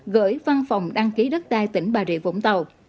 gửi văn phòng đăng ký đất đai tỉnh bà rịa vũng tàu